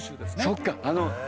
そっか。